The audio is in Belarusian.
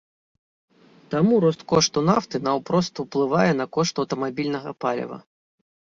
Таму рост кошту нафты наўпрост уплывае на кошт аўтамабільнага паліва.